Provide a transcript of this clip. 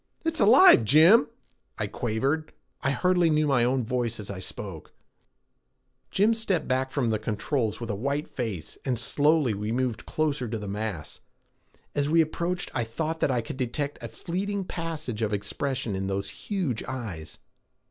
"It's alive, Jim," I quavered. I hardly knew my own voice as I spoke. Jim stepped back to the controls with a white face, and slowly we moved closer to the mass. As we approached I thought that I could detect a fleeting passage of expression in those huge eyes.